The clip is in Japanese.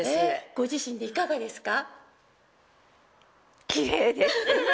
ご自身でいかがですか？